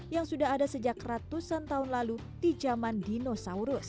yang sudah ada sejak ratusan tahun lalu di zaman dinosaurus